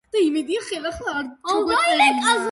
მეც ესპანელი ვარ.